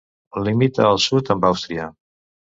Limita al sud amb Àustria.